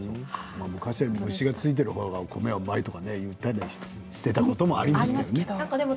昔は虫がついているほうが米はうまいと言っていたこともありますけれどもね。